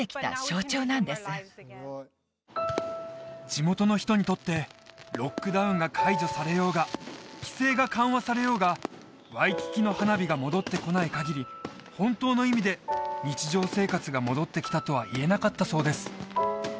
地元の人にとってロックダウンが解除されようが規制が緩和されようがワイキキの花火が戻ってこないかぎり本当の意味で日常生活が戻ってきたとはいえなかったそうです